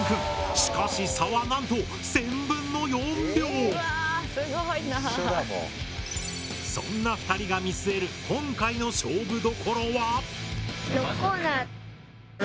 しかし差はなんと１，０００分の４秒！そんな２人が見据える今回の勝負どころは？